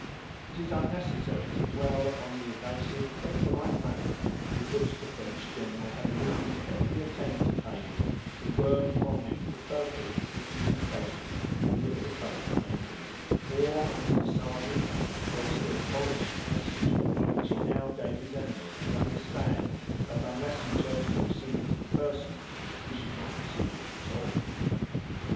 It is unnecessary to dwell upon the evasive though polite manner with which the French general had eluded every attempt of Heyward to worm from him the purport of the communication he had proposed making, or on the decided, though still polished message, by which he now gave his enemy to understand, that, unless he chose to receive it in person, he should not receive it at all.